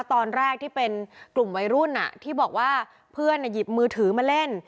ตอนแรกที่เป็นกลุ่มวัยรุ่นที่บอกว่าเพื่อนหยิบมือถือมาเล่น